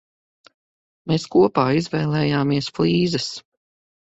Mēs kopā izvēlējāmies flīzes.